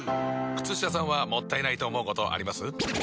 靴下さんはもったいないと思うことあります？